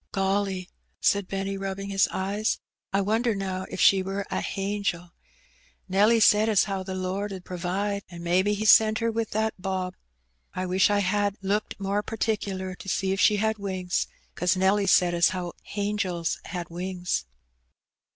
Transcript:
'^ Golly !" said Benny, rubbing his eyes, " I wonder now if she wur a hangel. Nelly said as 'ow the Lord 'ud pro vide. An* mebbe He sent her with that bob. I wish I had looked more particler to see if she had wings, 'cause Nelly said as how hangels had wings."